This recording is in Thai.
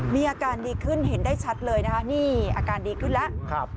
มีอาการดีขึ้นเห็นได้ชัดเลยนะคะนี่อาการดีขึ้นแล้ว